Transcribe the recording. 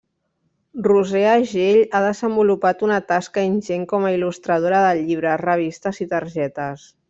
Roser Agell ha desenvolupat una tasca ingent com a il·lustradora de llibres, revistes i targetes.